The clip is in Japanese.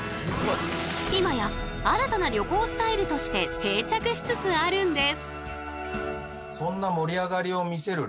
今や新たな旅行スタイルとして定着しつつあるんです。